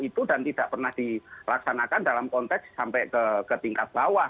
itu dan tidak pernah dilaksanakan dalam konteks sampai ke tingkat bawah